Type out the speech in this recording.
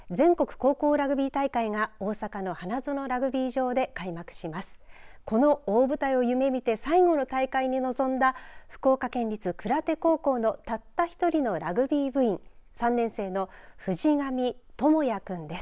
この大舞台を夢見て最後の大会に臨んだ福岡県立鞍手高校のたった１人のラグビー部員３年生の藤上朋也君です。